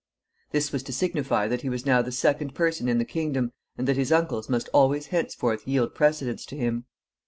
This was to signify that he was now the second person in the kingdom, and that his uncles must always henceforth yield precedence to him.